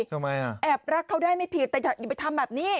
ทำไมอ่ะแอบรักเขาได้ไม่ผิดแต่อย่าไปทำแบบนี้